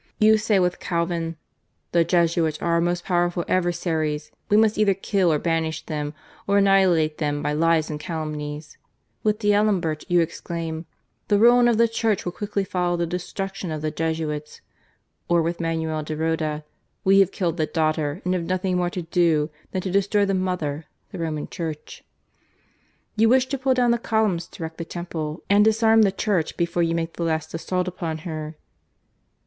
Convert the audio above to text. You say with Calvin :' The Jesuits are our most powerful adversaries, we must either kill or banish them, or annihilate them by lies and calumnies.' With d'Alembert you exclaim :* The ruin of the Church will quickly follow the destruction of the Jesuits,' or with Manuel de Roda :* We have killed the daughter, and have nothing more to do than to destroy the Mother, the Roman Church.' I A pamphlet of sixty pages in octavo, published at Quito, 1851. 42 GARCIA MORENO. You wish to pull down the columns, to wreck the Temple and disarm the Church, before you make the last assault upon her."